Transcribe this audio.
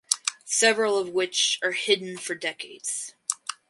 Several of which are hidden for decades.